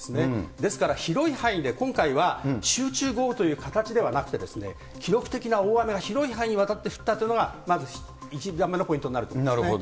ですから広い範囲で今回は集中豪雨という形ではなくて、記録的な大雨が広い範囲にわたって降ったというのがまず一番のポイントになると思いますね。